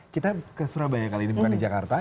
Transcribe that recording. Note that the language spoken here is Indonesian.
kita ke surabaya kali ini bukan di jakarta